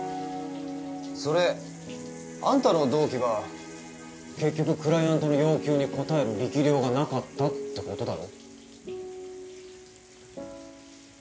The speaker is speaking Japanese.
それあんたの同期が結局クライアントの要求に応える力量がなかったって事だろ。